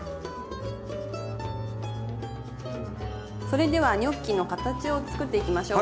それではニョッキの形を作っていきましょう。